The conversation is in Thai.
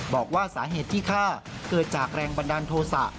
บอกว่าสาเหตุที่ฆ่าเกิดจากแรงบันดาลโทษะ